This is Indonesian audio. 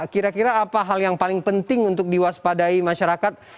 kira kira apa hal yang paling penting untuk diwaspadai masyarakat